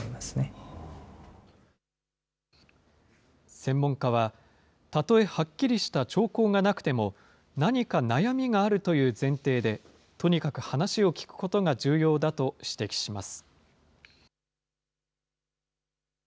専門家は、たとえはっきりした兆候がなくても、何か悩みがあるという前提で、とにかく話を聞くことが重要だと指摘します。